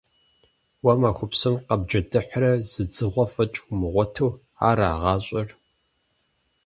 Уэ махуэ псом къэбджэдыхьрэ зы дзыгъуэ фӀэкӀ умыгъуэту, ара гъащӀэр?